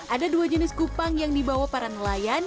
ada dua jenis kupang yang dibawa para nelayan